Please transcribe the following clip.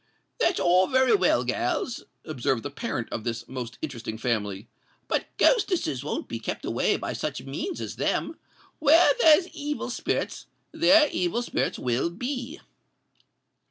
"That's all very well, gals," observed the parent of this most interesting family; "but ghostesses won't be kept away by such means as them. Where there's evil spirits, there evil spirits will be."